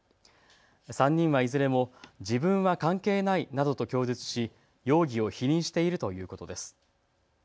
３人はいずれも自分は関係ないなどと供述し容疑を否認しているということです。